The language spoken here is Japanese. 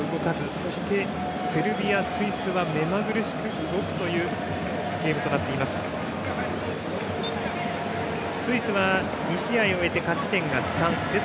そしてセルビア、スイスはめまぐるしく動くゲームとなっています。